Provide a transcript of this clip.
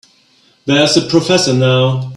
There's the professor now.